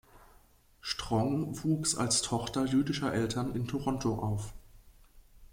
Strong wuchs als Tochter jüdischer Eltern in Toronto auf.